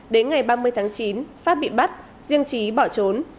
đến ngày ba mươi tháng chín phát bị bắt riêng trí bỏ trốn